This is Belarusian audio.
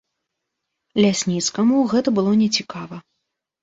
Лясніцкаму гэта было нецікава.